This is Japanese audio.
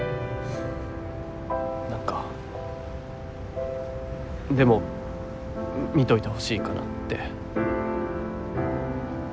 なんかでも見といてほしいかなって。